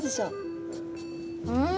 うん？